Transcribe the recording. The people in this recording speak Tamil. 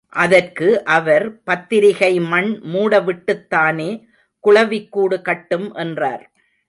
அதற்கு அவர் பத்திரிகை மண் மூட விட்டுத்தானே குளவிக் கூடு கட்டும் என்றார்.